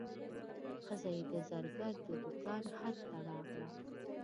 ښځه چې د زرګر د دوکان حد ته راغله.